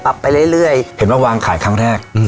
ปรับไปเรื่อยเรื่อยเห็นว่าวางขายครั้งแรกอืม